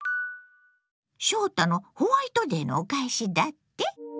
翔太のホワイトデーのお返しだって？